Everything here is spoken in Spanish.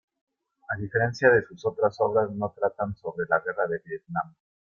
A diferencia de sus otras obras, no tratan sobre la Guerra de Vietnam.